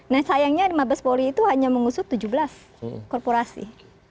nah sayangnya mabes polri itu hanya mengusut tujuh belas korporasi